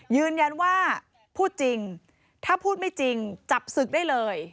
ยืนยันว่าพูดจริงถ้าพูดไม่จริงจับศึกได้เลย